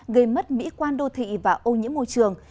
gây mất mỹ quan đô thị và ô nhiễm môi trường